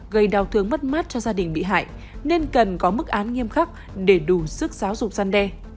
gây đau thương mất mát cho gia đình bị hại nên cần có mức án nghiêm khắc để đủ sức giáo dục gian đe